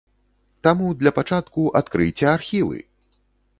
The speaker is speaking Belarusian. Таму, для пачатку, адкрыйце архівы!